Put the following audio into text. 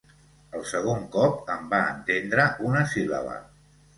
El segon cop en va entendre una síl·laba.